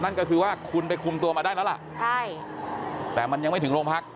นั่นก็คือว่าคุณไปคุมตัวมาได้แล้วล่ะใช่แต่มันยังไม่ถึงโรงพัก